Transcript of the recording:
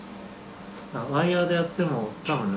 ワイヤーでやっても多分ね